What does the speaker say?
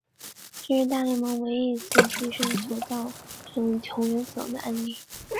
这是大联盟唯一一次触身球造成球员死亡的案例。